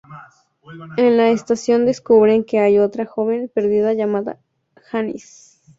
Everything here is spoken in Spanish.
En la estación descubren que hay otra joven perdida llamada Janice.